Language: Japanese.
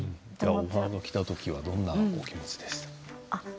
オファーがきた時はどんなお気持ちでしたか。